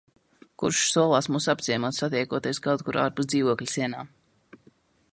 Kurš solās mūs apciemot, satiekoties kaut kur ārpus dzīvokļa sienām.